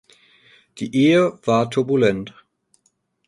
Die Ehe war turbulent.